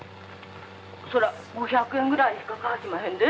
そりゃ５００円ぐらいしか買わしまへんで。